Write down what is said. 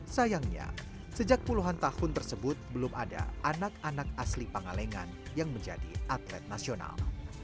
sayangnya sejak puluhan tahun tersebut belum ada anak anak asli pangalengan yang menjadi atlet nasional